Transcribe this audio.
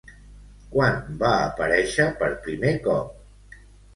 Quan va aparèixer per primer cop?